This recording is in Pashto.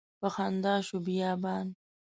په خندا شو بیابان